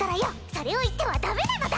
それを言ってはダメなのだ！